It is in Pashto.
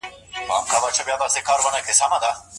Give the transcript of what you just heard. زعفران زموږ د هنر غوره نمونه ده.